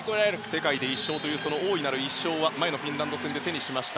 世界で１勝という大いなる１勝はフィンランド戦で手にしました。